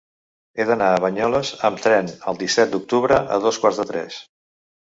He d'anar a Banyoles amb tren el disset d'octubre a dos quarts de tres.